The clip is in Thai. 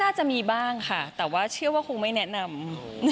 จะมีบ้างค่ะแต่ว่าเชื่อว่าคงไม่แนะนำ